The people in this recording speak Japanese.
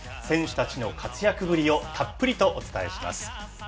選手たちの活躍ぶりをたっぷりとお伝えします。